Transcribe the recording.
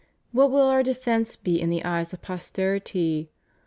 What will our defence be in the eyes of posterity?